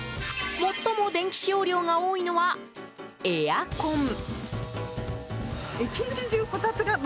最も電気使用量が多いのはエアコン。